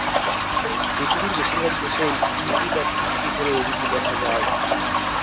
পৃথিবীর বেশিরভাগ দেশেই দুইটি বা তিনটি করে ঋতু দেখা যায়।